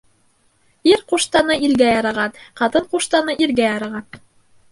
Ир ҡуштаны илгә яраған, ҡатын ҡуштаны иргә яраған.